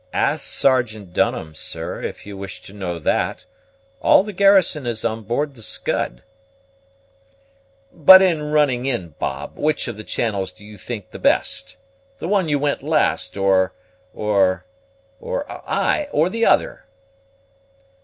"Ask Sergeant Dunham, sir, if you wish to know that. All the garrison is on board the Scud." "But in running in, Bob, which of the channels do you think the best? the one you went last, or or or ay, or the other?"